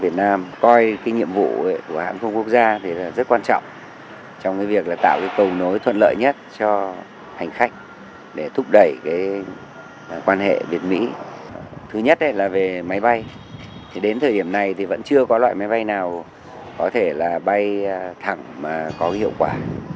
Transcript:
trong thời điểm này vẫn chưa có loại máy bay nào có thể bay thẳng có hiệu quả